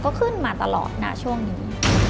ก็ขึ้นมาตลอดนะช่วงนี้